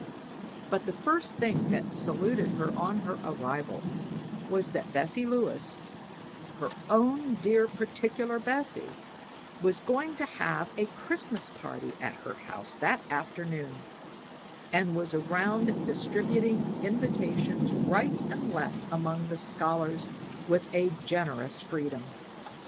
But the first thing that saluted her on her arrival was that Bessie Lewis her own dear, particular Bessie was going to have a Christmas party at her house that afternoon, and was around distributing invitations right and left among the scholars with a generous freedom.